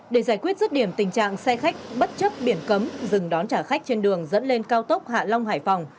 để giải quyết rứt điểm tình trạng xe khách bất chấp biển cấm dừng đón trả khách trên đường dẫn lên cao tốc hạ long hải phòng